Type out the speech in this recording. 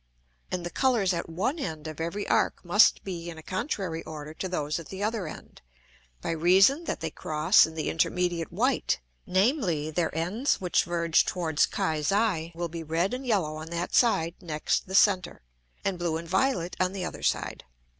And the Colours at one end of every Arc must be in a contrary order to those at the other end, by reason that they cross in the intermediate white; namely, their ends, which verge towards [Greek: Ux], will be red and yellow on that side next the center, and blue and violet on the other side.